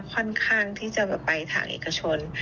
ค่อนข้างที่จะไปทางเอกชน